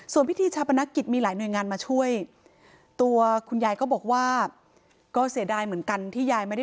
ส่วนพิธีชาปนกิจมีหลายหน่วยงานมาช่วย